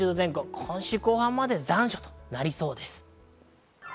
今週後半まで残暑となりそうです。